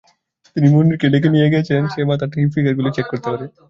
তিনি মুনিরকে ডেকে নিয়ে গেছেন, যাতে সে ঠাণ্ডা মাথায় ফিগারগুলি চেক করতে পারে।